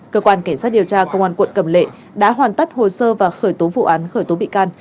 cơ quan cảnh sát điều tra công an quận cầm lệ đã hoàn tất hồ sơ và khởi tố vụ án khởi tố bị can